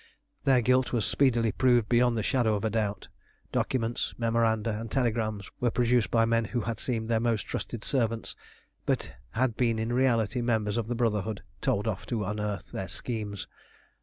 Their guilt was speedily proved beyond the shadow of a doubt. Documents, memoranda, and telegrams were produced by men who had seemed their most trusted servants, but had been in reality members of the Brotherhood told off to unearth their schemes.